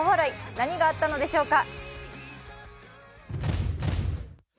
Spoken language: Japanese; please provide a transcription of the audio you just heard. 何があったのでしょうか。